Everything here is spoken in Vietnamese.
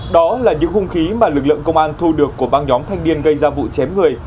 đó là những hung khí mà lực lượng công an thu được của băng nhóm thanh niên gây ra vụ chém người